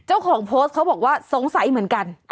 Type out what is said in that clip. เจ้าของโพสต์เขาบอกว่าสงสัยเหมือนกัน